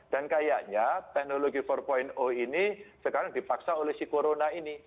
dan kayaknya teknologi empat ini sekarang dipaksa oleh si corona ini